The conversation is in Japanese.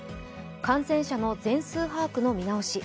感染者の全数把握の見直し